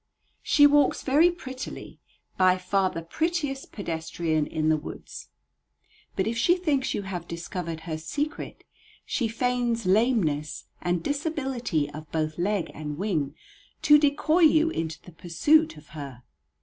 She walks very prettily, by far the prettiest pedestrian in the woods. But if she thinks you have discovered her secret, she feigns lameness and disability of both leg and wing, to decoy you into the pursuit of her.